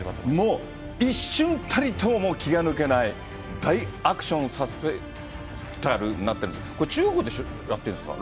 もう一瞬たりとももう気が抜けない、大アクションになっておりますので、中国でやってるんですか？